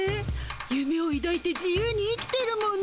ゆめをいだいて自由に生きてるもの。